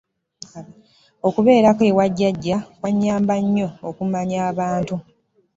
Okubeerako ewa jjajja kwannyamba nnyo okumanya abantu.